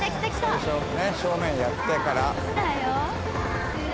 最初正面やってから。